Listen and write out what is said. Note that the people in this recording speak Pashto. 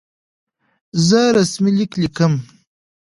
زه رسمي لیک لیکم.